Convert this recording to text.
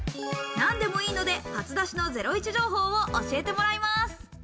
何でもいいので初出しのゼロイチ情報を教えてもらいます。